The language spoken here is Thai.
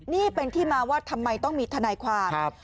นี่เป็นที่มาว่าทำไมต้องมีทนายความ